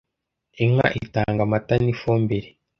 inka itanga amata n'ifumbire